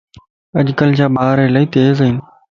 اڄ ڪل جا ٻار الائي تيزائين